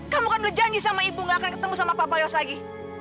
kamu kan udah janji sama ibu gak akan ketemu sama papa yos lagi